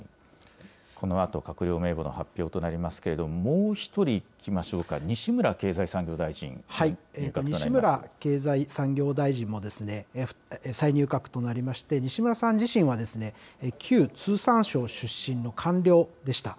このあと閣僚名簿の発表となりますけれども、もう一人いきま西村経済産業大臣も、再入閣となりまして、西村さん自身は、旧通産省出身の官僚でした。